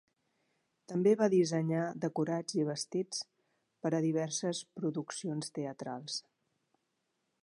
També va dissenyar decorats i vestits per a diverses produccions teatrals.